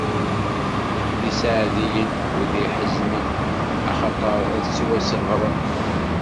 D iseɛdiyen, wid iḥeznen, axaṭer ad ttwaṣebbren!